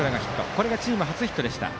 これがチーム初ヒットでした。